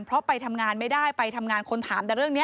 เพราะไปทำงานไม่ได้ไปทำงานคนถามแต่เรื่องนี้